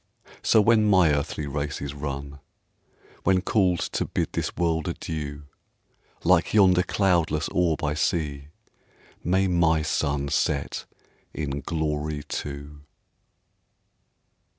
So when my earthly race is run, When called to bid this world adieu, Like yonder cloudless orb I see, May my sun set in glory too.